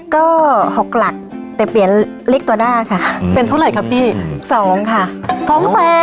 ก็หกหลักแต่เปลี่ยนเล็กตัวหน้าค่ะเป็นเท่าไรครับพี่สองค่ะสองแสน